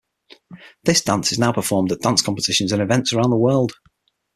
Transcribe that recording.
This dance is now performed at dance competitions and events around the world.